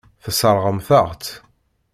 Tesseṛɣemt-aɣ-tt.